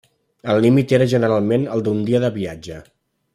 El límit era generalment el d'un dia de viatge.